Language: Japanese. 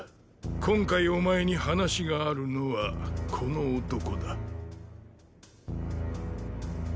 今回お前に話があるのはこの男だ。